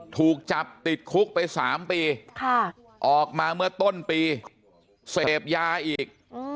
ถูกจับติดคุกไป๓ปีออกมาเมื่อต้นปีเสพยาอีก